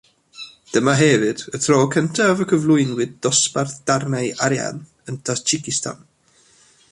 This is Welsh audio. Dyma hefyd y tro cyntaf y cyflwynwyd dosbarth darnau arian yn Tajikistan.